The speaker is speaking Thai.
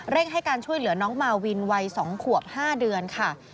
ให้การช่วยเหลือน้องมาวินวัย๒ขวบ๕เดือนค่ะ